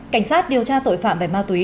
cảnh sát điều tra tội phạm về ma túy